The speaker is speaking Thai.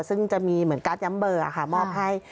ซึ่งจะมีเหมือนการ์ดย้ำเบอร์ค่ะมอบให้